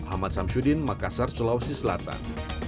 ahmad samsuddin makassar sulawesi selatan